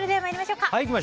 いきましょう！